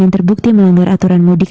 yang terbukti melanggar aturan mudik